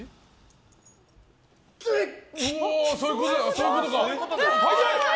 そういうことか！